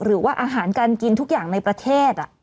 หรือว่าอาหารการกินทุกอย่างในประเทศ